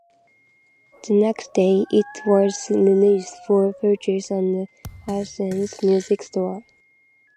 The next day it was released for purchase on the iTunes music store.